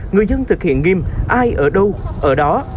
người dân thực hiện nghiêm ai ở đâu ở đó